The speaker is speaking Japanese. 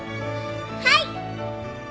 はい。